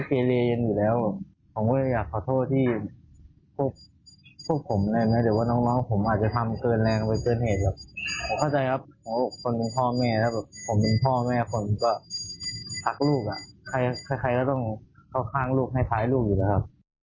ใครแล้วต้องเข้าข้างลูกให้ภายลูกอยู่แล้วครับ